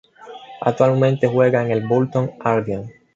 Actualmente juega en el Burton Albion.